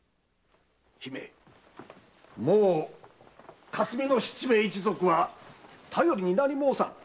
姫もう霞の七兵衛一族は頼りになり申さん！